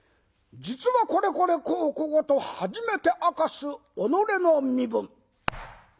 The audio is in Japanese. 実はこれこれこうこうと初めて明かす己の身分。